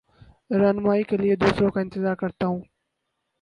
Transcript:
رہنمائ کے لیے دوسروں کا انتظار کرتا ہوں